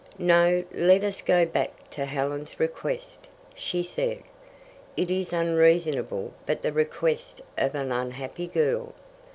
"No, let us go back to Helen's request," she said. "It is unreasonable, but the request of an unhappy girl.